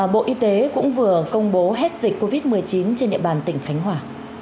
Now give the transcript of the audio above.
bộ y tế cũng vừa công bố hết dịch covid một mươi chín trên địa bàn tỉnh khánh hòa